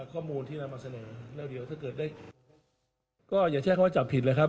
ข้อมูลที่น้ำมาเสนออย่าแชกว่าจับผิดเลยครับ